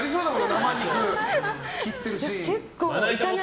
生肉切ってるシーン。